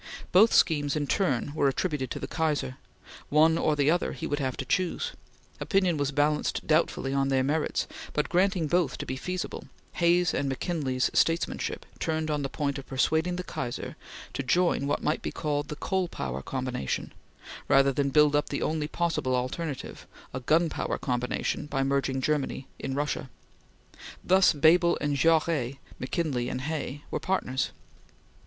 Both schemes in turn were attributed to the Kaiser; one or the other he would have to choose; opinion was balanced doubtfully on their merits; but, granting both to be feasible, Hay's and McKinley's statesmanship turned on the point of persuading the Kaiser to join what might be called the Coal power combination, rather than build up the only possible alternative, a Gun power combination by merging Germany in Russia. Thus Bebel and Jaures, McKinley and Hay, were partners.